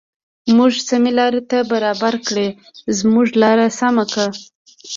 موږ سمې لارې ته برابر کړې زموږ لار سمه کړه.